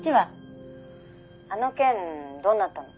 「あの件どうなったの？」